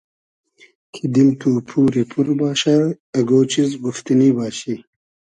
کی دیل تو پوری پور باشۂ اگۉ چیز گوفتئنی باشی